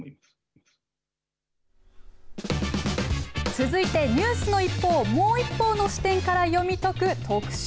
続いてニュースの一報をもう一方の視点から読み解く特集